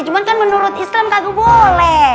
cuma kan menurut islam kagu boleh